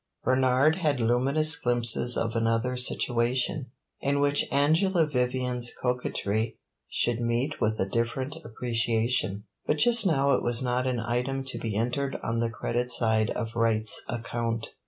Bernard had luminous glimpses of another situation, in which Angela Vivian's coquetry should meet with a different appreciation; but just now it was not an item to be entered on the credit side of Wright's account.